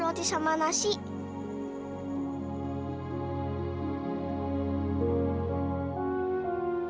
loh kok jadi banyak sedih sih